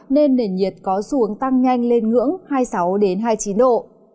nên nền nhiệt có xu hướng tăng nhanh lên ngưỡng hai mươi sáu đến hai mươi chín độ